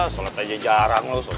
sholat aja jarang lo soal soal itu